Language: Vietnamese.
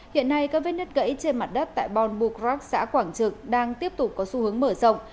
hiện nay các vết nứt gãy trên mặt đất tại bon bucrac xã quảng trực đang tiếp tục có xu hướng mở rộng